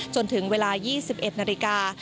จนถึงเวลา๒๑นาฬิกา